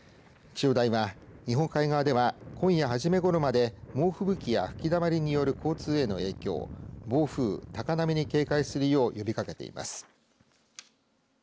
気象台は日本海側では今夜はじめごろまで猛吹雪や吹きだまりによる交通への影響暴風、高波に警戒するよう呼びかけています。